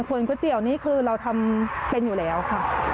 ส่วนก๋วยเตี๋ยวนี่คือเราทำเป็นอยู่แล้วค่ะ